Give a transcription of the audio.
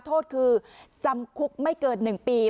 โทษคือจำคุกไม่เกิน๑ปี